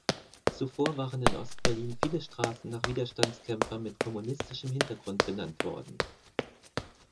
Zuvor waren in Ost-Berlin viele Straßen nach Widerstandskämpfern mit kommunistischem Hintergrund benannt worden.